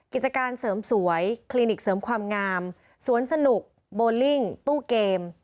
กิจการเสริมสวยคลินิกเสริมความงามสวนสนุกโบลิ่งตู้เกม